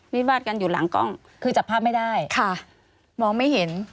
วิวาดกันอยู่หลังกล้องคือจับภาพไม่ได้ค่ะมองไม่เห็น